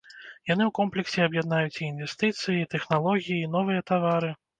Яны ў комплексе аб'яднаюць і інвестыцыі, і тэхналогіі, і новыя тавары.